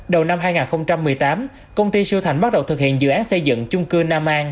đầu năm hai nghìn một mươi tám công ty siêu thành bắt đầu thực hiện dự án xây dựng chung cư nam an